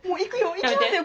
行きますよ